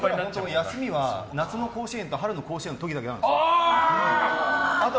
休みは夏の甲子園と春の甲子園の時だけなんですよ。